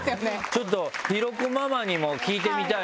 ちょっと広子ママにも聞いてみたいな。